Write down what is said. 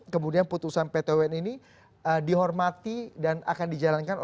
kemudian putusan pt un ini